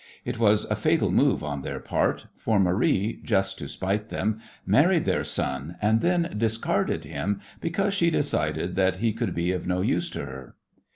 It was a fatal move on their part, for Marie, just to spite them, married their son and then discarded him, because she decided that he could be of no use to her.